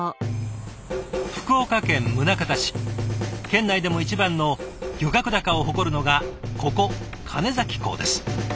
県内でも一番の漁獲高を誇るのがここ鐘崎港です。